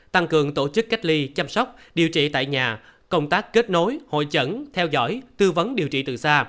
tăng cường tổ chức cách ly chăm sóc điều trị tại nhà công tác kết nối hội chẩn theo dõi tư vấn điều trị từ xa